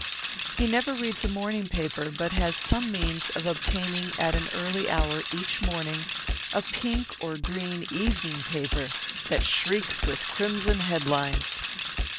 He never reads a morning paper, but has some means of obtaining at an early hour each morning a pink or green evening paper that shrieks with crimson headlines.